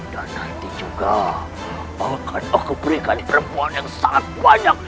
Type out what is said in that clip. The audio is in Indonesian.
dan nanti juga akan aku berikan perempuan yang sangat banyak